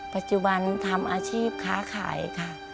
ปัจจุบันทำอาชีพค้าขายค่ะ